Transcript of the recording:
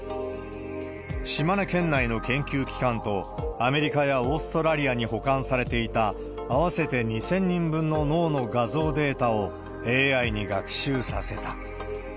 島根県内の研究機関と、アメリカやオーストラリアに保管されていた、合わせて２０００人分の脳の画像データを、ＡＩに学習させた。